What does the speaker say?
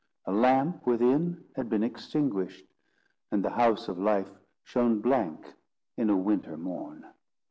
A lamp within had been extinguished, and the house of life shone blank in a winter morn.